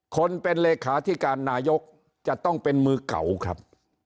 คนเป็นเลขาธิการนายกจะต้องเป็นมือเก่าครับ